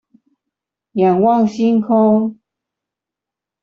仰望星空